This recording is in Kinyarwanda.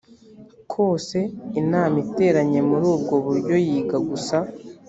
kose inama iteranye muri ubwo buryo yiga gusa